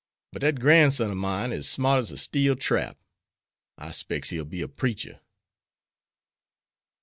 But dat gran'son ob mine is smart as a steel trap. I specs he'll be a preacher."